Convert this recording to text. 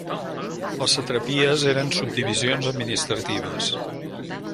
Les satrapies eren subdivisions administratives.